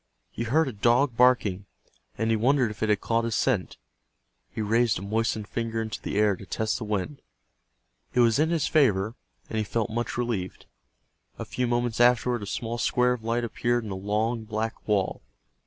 He heard a dog barking, and he wondered if it had caught his scent. He raised a moistened finger into the air to test the wind. It was in his favor, and he felt much relieved. A few moments afterward a small square of light appeared in the long black wall.